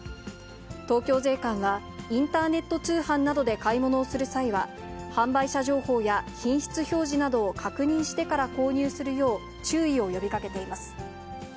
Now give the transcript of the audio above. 東京税関は、インターネット通販などで買い物をする際は、販売者情報や品質表示などを確認してから購入するよう注意を呼びかけています。